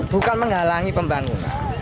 bukan menghalangi pembangunan